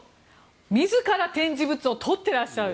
自ら展示物を取ってらっしゃる。